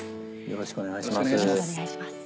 よろしくお願いします。